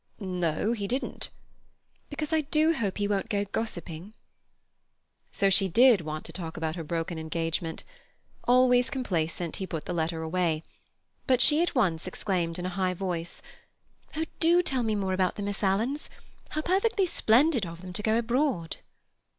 "No, he didn't." "Because I do hope he won't go gossiping." So she did want to talk about her broken engagement. Always complaisant, he put the letter away. But she, at once exclaimed in a high voice, "Oh, do tell me more about the Miss Alans! How perfectly splendid of them to go abroad!"